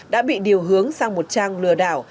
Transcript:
đã bị điều hướng sang một trang lừa đảo